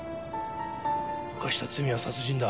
犯した罪は殺人だ。